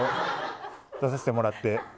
出させてもらって。